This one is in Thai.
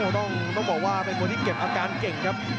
ต้องบอกว่าเป็นคนที่เก็บอาการเก่งครับ